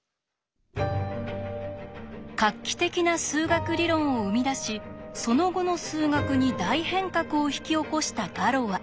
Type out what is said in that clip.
画期的な数学理論を生み出しその後の数学に大変革を引き起こしたガロア。